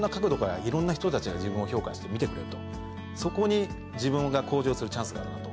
そこに自分が向上するチャンスがあるなと。